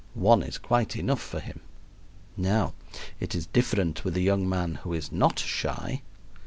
One is quite enough for him. Now, it is different with the young man who is not shy.